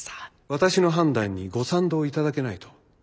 私の判断にご賛同頂けないと？